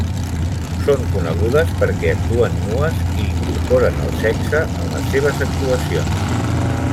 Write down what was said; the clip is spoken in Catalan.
Són conegudes perquè actuen nues i incorporen el sexe en les seves actuacions.